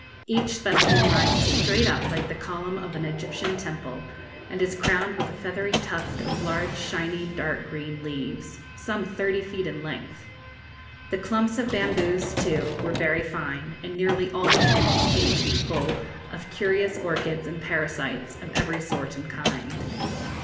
Each specimen rises straight up like the column of an Egyptian temple, and is crowned with a feathery tuft of large shiny dark green leaves, some thirty feet in length. The clumps of bamboos, too, were very fine, and nearly all the trees seemed to be full of curious orchids and parasites of every sort and kind.